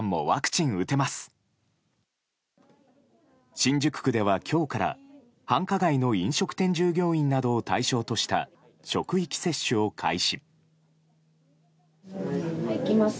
新宿区では今日から、繁華街の飲食店従業員などを対象とした職域接種を開始。